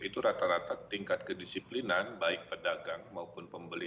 itu rata rata tingkat kedisiplinan baik pedagang maupun pembeli